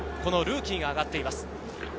ルーキーが上がっています。